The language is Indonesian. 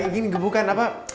gini gebukan apa